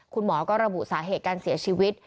คุณหมอก็ระบุสาเหตุการเสียชีวิต